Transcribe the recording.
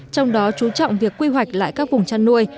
trong đó chú trọng việc quy hoạch lại các vùng chăn nuôi